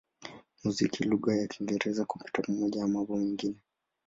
muziki lugha ya Kiingereza, Kompyuta pamoja na mambo mengine.